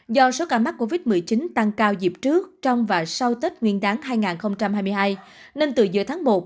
do số ca mắc covid một mươi chín tăng cao dịp trước trong và sau tết nguyên đáng hai nghìn hai mươi hai nên từ giữa tháng một